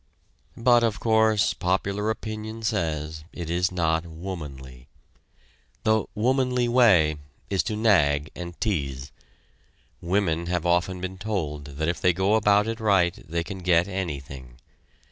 But, of course, popular opinion says it is not "womanly." The "womanly way" is to nag and tease. Women have often been told that if they go about it right they can get anything.